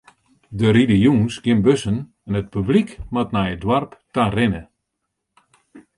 Der ride jûns gjin bussen en it publyk moat nei it doarp ta rinne.